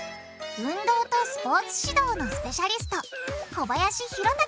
運動とスポーツ指導のスペシャリスト小林博隆